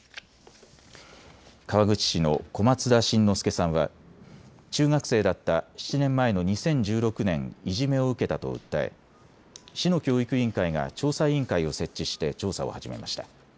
川口市の小松田辰乃輔さんは中学生だった７年前の２０１６年、いじめを受けたと訴え市の教育委員会が調査委員会を設置して調査を始めました。